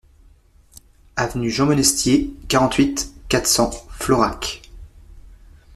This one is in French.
Avenue Jean Monestier, quarante-huit, quatre cents Florac